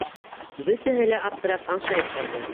- Бөтәһе лә аптырап, аңшайып ҡалды.